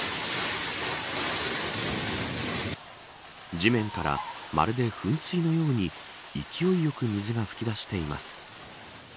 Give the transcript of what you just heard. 地面から、まるで噴水のように勢いよく水が噴き出しています。